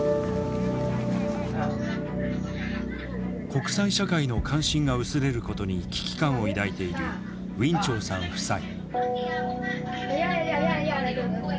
国際社会の関心が薄れることに危機感を抱いているウィン・チョウさん夫妻。